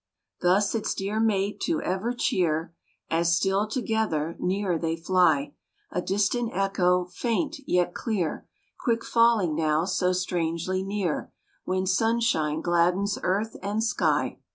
Thus its dear mate to ever cheer, As, still together, near they fly, A distant echo, faint, yet clear, Quick falling now so strangely near When sunshine gladdens earth and sky.